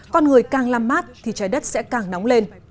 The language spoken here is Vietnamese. con người càng làm mát thì trái đất sẽ càng nóng lên